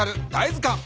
ずかん。